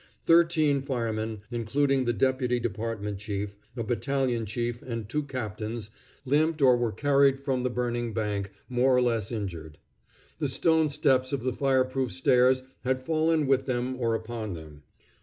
Thirteen firemen, including the deputy department chief, a battalion chief, and two captains, limped or were carried from the burning bank, more or less injured. The stone steps of the fire proof stairs had fallen with them or upon them.